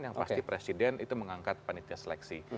yang pasti presiden itu mengangkat panitia seleksi